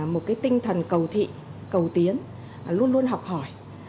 một cái tinh thần cầu thị cầu tiến luôn luôn học hỏi